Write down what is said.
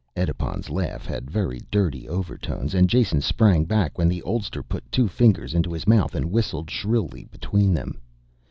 Edipon's laugh had very dirty overtones and Jason sprang back when the oldster put two fingers into his mouth and whistled shrilly between them.